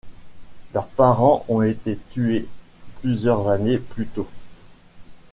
Leurs parents ont été tués plusieurs années plus tôt.